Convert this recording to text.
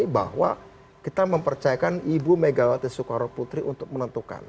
bahwa kita mempercayakan ibu megawati soekarno putri untuk menentukan